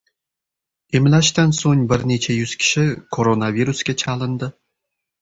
Emlashdan so‘ng bir necha yuz kishi koronavirusga chalindi